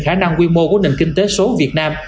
khả năng quy mô của nền kinh tế số việt nam